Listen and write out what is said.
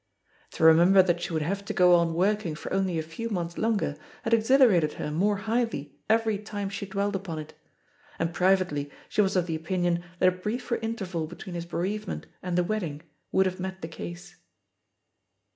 To remember that she would have to go on work ing for only a few months longer had exhilarated her more highly every time she dwelt upon it; and privately she was of the opinion that a briefer interval between his bereavement and the wedding would have met the case.